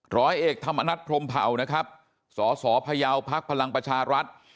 ร้อยเอกธรรมนัฐพรมเผานะครับสสพยาวพักพลังประชารัฐ